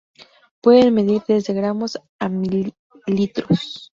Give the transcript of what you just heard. Pueden medir desde gramos a mi litros.